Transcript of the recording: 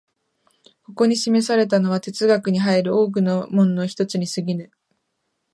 ここに示されたのは哲学に入る多くの門の一つに過ぎぬ。